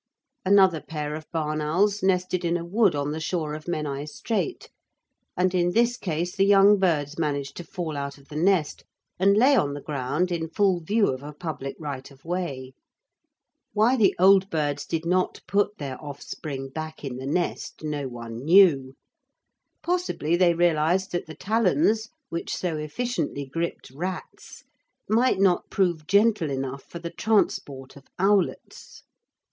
Another pair of barn owls nested in a wood on the shore of Menai Strait, and in this case the young birds managed to fall out of the nest, and lay on the ground in full view of a public right of way. Why the old birds did not put their offspring back in the nest no one knew. Possibly they realised that the talons, which so efficiently gripped rats, might not prove gentle enough for the transport of owlets.